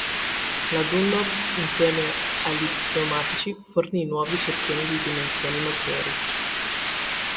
La Dunlop, insieme agli pneumatici, fornì nuovi cerchioni di dimensioni maggiori.